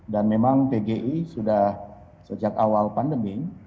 dan memang pgi sudah sejak awal pandemi